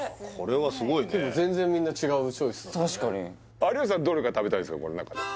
これはすごいねけど全然みんな違うチョイスだね有吉さんどれが食べたいですか？